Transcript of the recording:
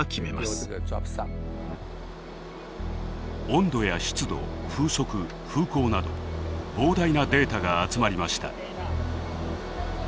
温度や湿度風速風向など膨大なデータが集まりました。